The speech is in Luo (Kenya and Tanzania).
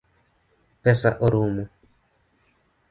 Pesa orumo.